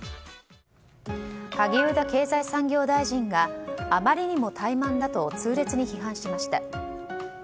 萩生田経済産業大臣があまりにも怠慢だと痛烈に批判しました。